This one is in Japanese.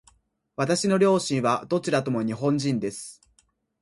私の両親はどちらとも日本人です。